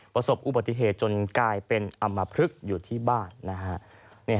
ประสบอุบัติเหตุจนกลายเป็นอำมพลึกอยู่ที่บ้านนะฮะ